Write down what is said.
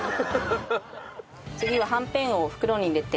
はんぺんを袋に入れて。